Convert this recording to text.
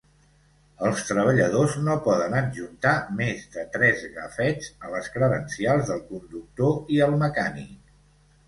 El treballadors no poden adjuntar més de tres gafets a les credencials del conductor i el mecànic.